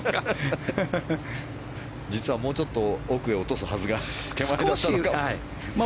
実はもうちょっと奥へ落とすはずが手前だったのかも。